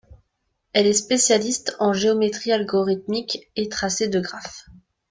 Elle est spécialiste en géométrie algorithmique et tracé de graphes.